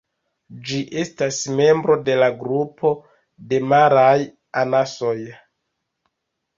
Ĝi estas membro de la grupo de maraj anasoj.